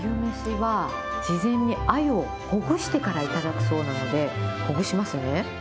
このアユ飯は、事前にアユをほぐしてから頂くそうなので、ほぐしますね。